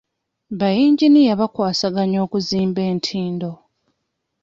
Ba yinginiya bakwasaganya okuzimba entindo.